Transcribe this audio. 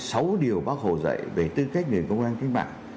cái sáu điều bác hồ dạy về tư cách người công an kinh mạng